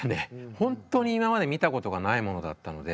本当に今まで見たことがないものだったので。